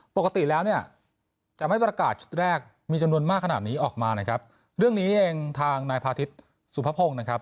ปกติแล้วเนี่ยจะไม่ประกาศชุดแรกมีจำนวนมากขนาดนี้ออกมานะครับเรื่องนี้เองทางนายพาทิศสุภพงศ์นะครับ